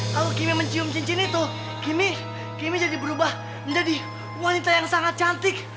kalo kimi mencium cincin itu kimi kimi jadi berubah menjadi wanita yang sangat cantik